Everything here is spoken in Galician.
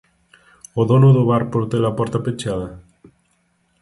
Ao dono do bar por ter a porta pechada?